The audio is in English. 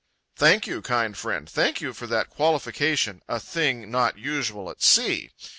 Thank you, kind friend, thank you for that qualification, "a thing not usual at sea."